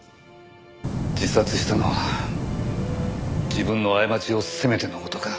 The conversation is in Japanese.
自殺したのは自分の過ちを責めての事か。